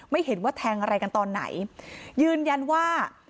ไม่เห็นว่าแทงอะไรกันตอนไหนยืนยันว่า